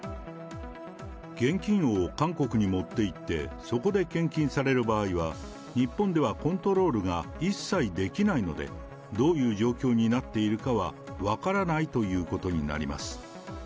現金を韓国に持っていって、そこで献金される場合は、日本ではコントロールが一切できないので、どういう状況になっているかは分からないということになります。